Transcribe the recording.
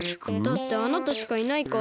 だってあなたしかいないから。